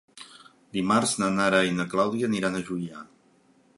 Dimarts na Nara i na Clàudia aniran a Juià.